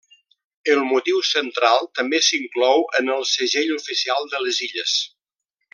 El motiu central també s'inclou en el Segell oficial de les illes.